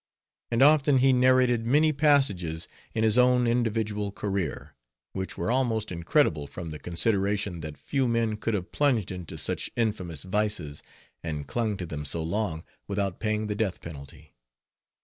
And often he narrated many passages in his own individual career, which were almost incredible, from the consideration that few men could have plunged into such infamous vices, and clung to them so long, without paying the death penalty.